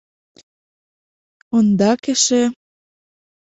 Ондак эше.